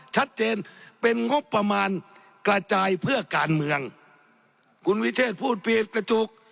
ชัดเจนเป็นงบประมาณกระจายเพื่อการเมืองคุณวิเทศพูดผิดกระจุก